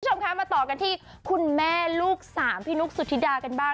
สำคัญมาต่อกันที่คุณแม่ลูกสามพี่นุ๊กสุธิดากันบ้าง